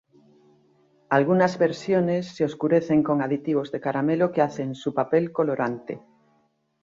Algunas versiones se oscurecen con aditivos de caramelo que hacen su papel colorante.